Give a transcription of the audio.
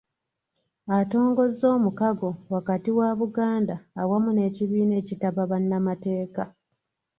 Atongozza omukago wakati wa Buganda awamu n'ekibiina ekitaba bannamateeka